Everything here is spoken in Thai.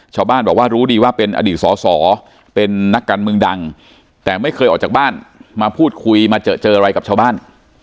ชาวบ้านบอกว่ารู้ดีว่าเป็นอดีตสอสอเป็นนักการเมืองดังแต่ไม่เคยออกจากบ้านมาพูดคุยมาเจอเจออะไรกับชาวบ้าน